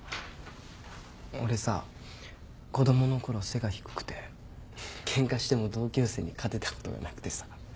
俺さ子供のころ背が低くてケンカしても同級生に勝てたことがなくてさ。